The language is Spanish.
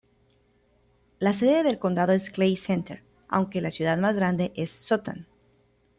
La sede del condado es Clay Center aunque la ciudad más grande es Sutton.